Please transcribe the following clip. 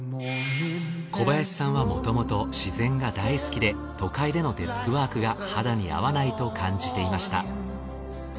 小林さんはもともと自然が大好きで都会でのデスクワークが肌に合わないと感じていました。